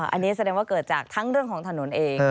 อันนี้แสดงว่าเกิดจากทั้งเรื่องของถนนเอง